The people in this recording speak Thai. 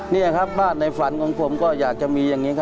นี่ครับว่าในฝันของผมก็อยากจะมีอย่างนี้ครับ